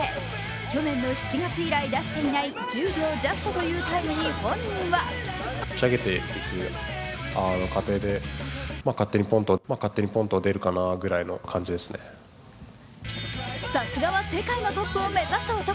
去年の７月以来出していない１０秒ジャストというタイムに本人はさすがは世界のトップを目指す男。